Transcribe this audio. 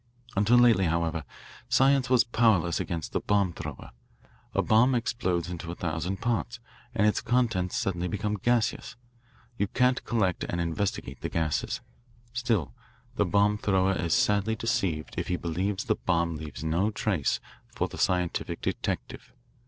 "Until lately, however, science was powerless against the bomb thrower. A bomb explodes into a thousand parts, and its contents suddenly become gaseous. You can't collect and investigate the gases. Still, the bomb thrower is sadly deceived if he believes the bomb leaves no trace for the scientific detective.